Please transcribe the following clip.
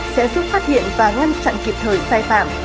sẽ giúp phát hiện và ngăn chặn kịp thời sai phạm